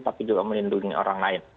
tapi juga melindungi orang lain